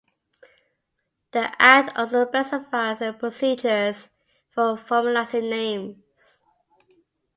The Act also specifies the procedures for formalising names.